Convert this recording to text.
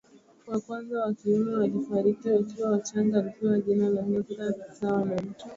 wa kwanza wa kiume walifariki wakiwa wachanga Alipewa jina la Lazarus sawa na mtu